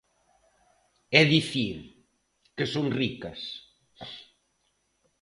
É dicir, que son ricas.